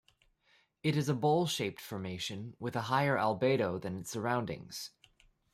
It is a bowl-shaped formation with a higher albedo than its surroundings.